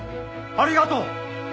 ありがとう！